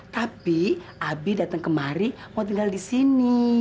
tapi abi datang kemari mau tinggal di sini